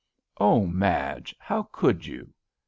"Oh I Madge, how could you?"